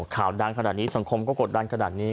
ข่าวดังขนาดนี้สังคมก็กดดันขนาดนี้